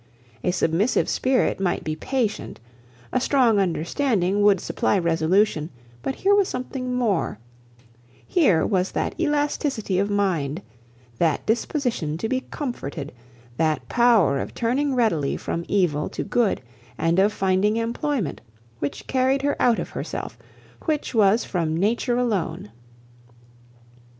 A submissive spirit might be patient, a strong understanding would supply resolution, but here was something more; here was that elasticity of mind, that disposition to be comforted, that power of turning readily from evil to good, and of finding employment which carried her out of herself, which was from nature alone.